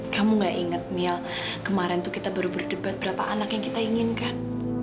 kamu gak ingat mia kemarin tuh kita baru berdebat berapa anak yang kita inginkan